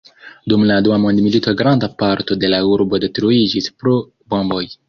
Dum la dua mondmilito granda parto de la urbo detruiĝis pro bomboj.